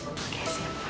oke siap pak